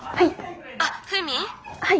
はい。